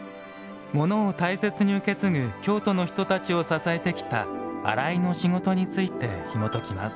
ものを大切に受け継ぐ京都の人たちを支えてきた洗いの仕事についてひもときます。